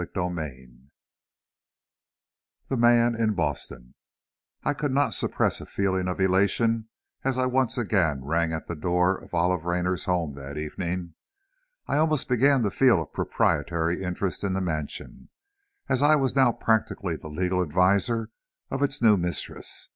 CHAPTER IX The Man in Boston I could not suppress a feeling of elation as I once again rang at the door of Olive Raynor's home that evening. I almost began to feel a proprietary interest in the mansion, as I now was practically the legal adviser of its new mistress.